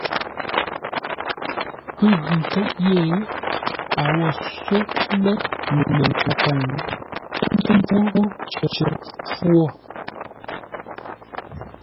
Pə́ ghʉ ńkéʼ yé, a wo só lə́ məngənkhwoŋ, ə́ mpfúŋə́ cər khwo.